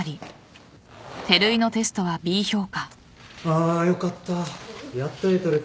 あよかった。